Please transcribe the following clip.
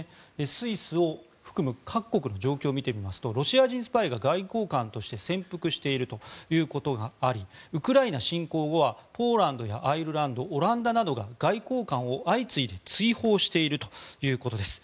スイスを含む各国の状況を見てみますとロシア人スパイが外交官として潜伏しているということがありウクライナ侵攻後はポーランドやアイルランドオランダなどが外交官を相次いで追放しているということです。